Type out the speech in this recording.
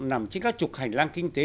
nằm trên các trục hành lang kinh tế